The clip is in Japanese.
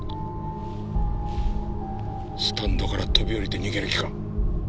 スタンドから飛び降りて逃げる気か？